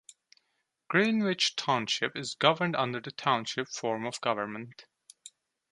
Greenwich Township is governed under the Township form of government.